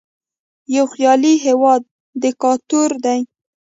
یوه خیالي هیواد دیکتاتور دی.